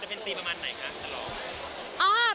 จะเป็นศีลประมาณไหนคะชะลอง